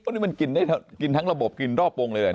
อันนี้มันกลิ่นได้ทั้งระบบกลิ่นรอบปงเลย